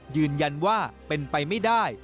ยืนยันว่าเป็นไปไม่ได้